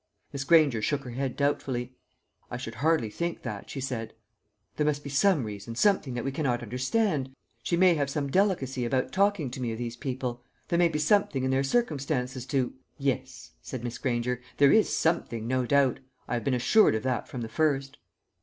Miss Granger shook her head doubtfully. "I should hardly think that," she said. "There must be some reason something that we cannot understand. She may have some delicacy about talking to me of these people; there may be something in their circumstances to " "Yes," said Miss Granger, "there is something, no doubt. I have been assured of that from the first."